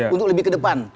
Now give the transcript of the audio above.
untuk lebih ke depan